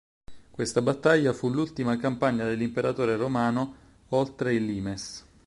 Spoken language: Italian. Questa battaglia fu l'ultima campagna dell'imperatore romano oltre il limes.